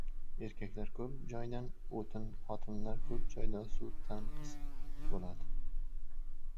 • Erkaklar ko‘p joyda o‘tin, xotinlar ko‘p joyda suv tanqis bo‘ladi.